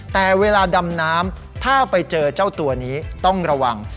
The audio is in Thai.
แต่เวลาดำน้ำถ้าไปเจอเจ้าตัวนี้ต้องระวัง